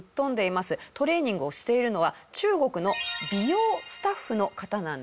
トレーニングをしているのは中国の美容スタッフの方なんです。